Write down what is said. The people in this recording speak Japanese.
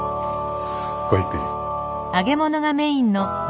ごゆっくり。